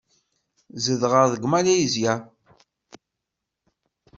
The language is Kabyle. Zedɣeɣ deg Malizya.